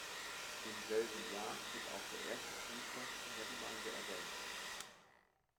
Im selben Jahr wird auch der erste Priester in der Gemeinde erwähnt.